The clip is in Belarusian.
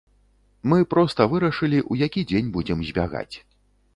Мы проста вырашылі, у які дзень будзем збягаць.